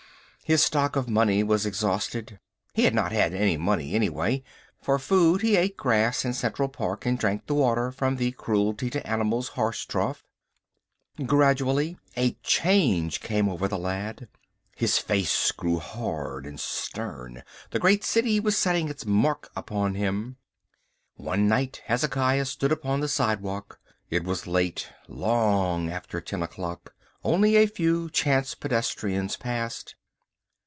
His stock of money was exhausted. He had not had any money anyway. For food he ate grass in Central Park and drank the water from the Cruelty to Animals horse trough. Gradually a change came over the lad; his face grew hard and stern, the great city was setting its mark upon him. One night Hezekiah stood upon the sidewalk. It was late, long after ten o'clock. Only a few chance pedestrians passed.